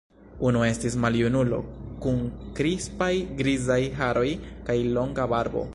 Unu estis maljunulo kun krispaj grizaj haroj kaj longa barbo.